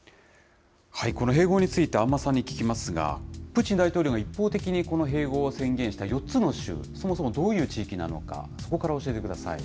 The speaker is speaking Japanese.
この併合について、安間さんに聞きますが、プーチン大統領の一方的にこの併合を宣言した４つの州、そもそもどういう地域なのか、そこから教えてください。